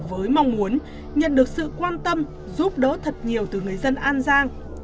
với mong muốn nhận được sự quan tâm giúp đỡ thật nhiều từ người dân an giang